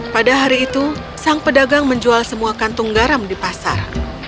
pada hari itu sang pedagang menjual semua kantung garam di pasar